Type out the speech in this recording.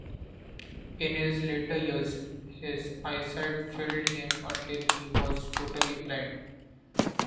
In his later years his eyesight failed him until he was totally blind.